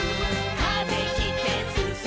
「風切ってすすもう」